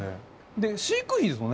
で飼育費ですもんね。